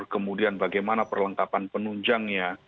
kemudian bagaimana perlengkapan penunjangnya